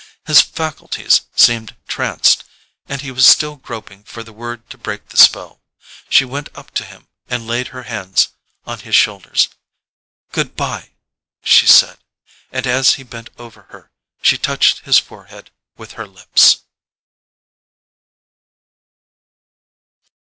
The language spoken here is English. His faculties seemed tranced, and he was still groping for the word to break the spell. She went up to him and laid her hands on his shoulders. "Goodbye," she said, and as he bent over her she touched his forehead with her lips.